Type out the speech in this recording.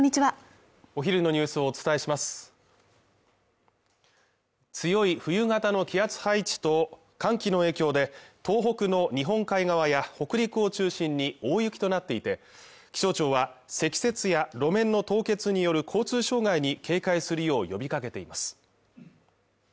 お昼のニュースをお伝えします強い冬型の気圧配置と寒気の影響で東北の日本海側や北陸を中心に大雪となっていて気象庁は積雪や路面の凍結による交通障害に警戒するよう呼びかけています